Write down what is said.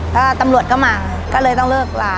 ก็ตำรวจก็มาก็เลยต้องเลิกลา